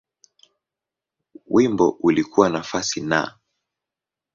Wimbo ulikuwa nafasi Na.